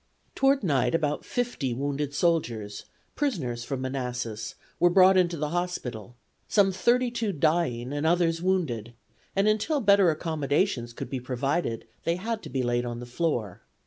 Toward night about fifty wounded soldiers, prisoners from Manassas, were brought into the hospital, some dying and others wounded, and until better accommodations could be provided they had to be laid on the floor.